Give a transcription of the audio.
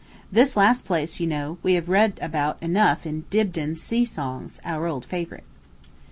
This last place, you know, we have read about enough in Dibdin's Sea Songs, our old favorite.